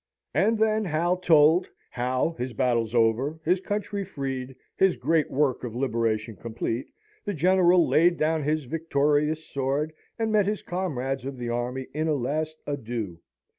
And then Hal told how, his battles over, his country freed, his great work of liberation complete, the General laid down his victorious sword, and met his comrades of the army in a last adieu.